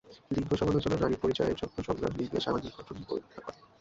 লিঙ্গ সমালোচনা নারী পরিচয়ের জন্য সংগ্রাম এবং লিঙ্গের সামাজিক গঠন পরীক্ষা করে।